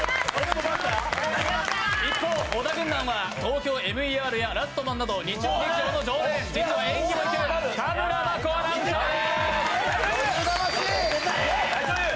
一方、小田軍団は「ＴＯＫＹＯＭＥＲ」や「ラストマン」など日曜劇場の常連実は演技もいける田村真子アナウンサーです。